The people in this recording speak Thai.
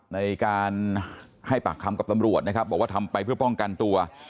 ในการให้ปากคำกับตำรวจนะครับบอกว่าทำไปเพื่อป้องกันตัว